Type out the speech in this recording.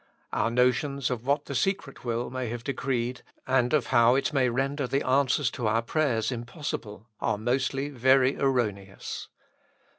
Our notions of what the secret will may have decreed, and of how it might render the answers 'to our prayers impossible, are mostly very erroneous.